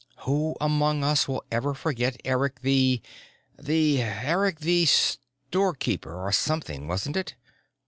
Who among us will ever forget Eric the the Eric the Store keeper or something, wasn't it?"